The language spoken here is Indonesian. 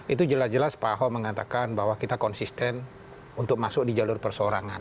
itu jelas jelas pak ahok mengatakan bahwa kita konsisten untuk masuk di jalur persorangan